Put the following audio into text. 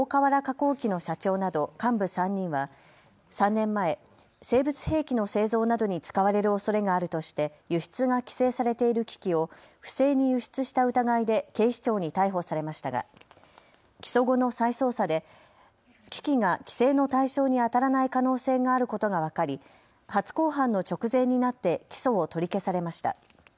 工機の社長など幹部３人は３年前、生物兵器の製造などに使われるおそれがあるとして輸出が規制されている機器を不正に輸出した疑いで警視庁に逮捕されましたが起訴後の再捜査で機器が規制の対象にあたらない可能性があることが分かり初公判の直前になって起訴を取り消されました。